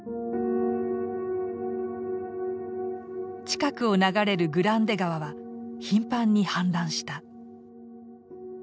近くを流れるグランデ川は頻繁に氾濫した。